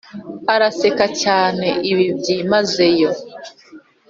Araseka cyane ibi byimazeyo